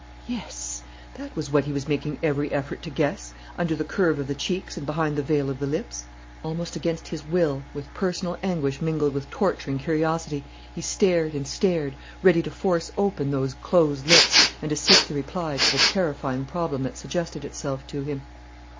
Yes, that was what he was making every effort to guess, under the curve of the cheeks and behind the veil of the lips. Almost against his will, with personal anguish mingled with torturing curiosity, he stared and stared, ready to force open those closed lips and to seek the reply to the terrifying problem that suggested itself to him.